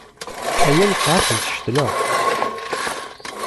Aya nesɛa-t d ccetla.